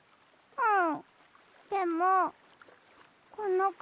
うん。